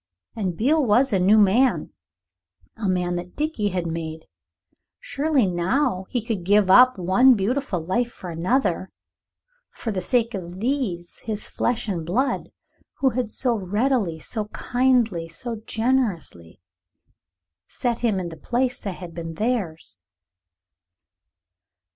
And Beale was a new man, a man that Dickie had made. Surely now he could give up one beautiful life for another for the sake of these, his flesh and blood, who had so readily, so kindly, so generously set him in the place that had been theirs?